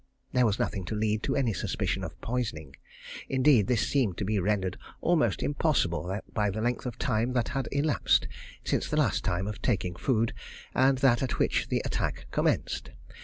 There was nothing to lead to any suspicion of poisoning, indeed this seemed to be rendered almost impossible by the length of time that had elapsed since the last time of taking food and that at which the attack commenced.